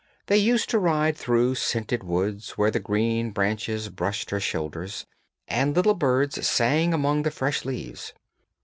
They used to ride through scented woods, where the green branches brushed her shoulders, and little birds sang among the fresh leaves.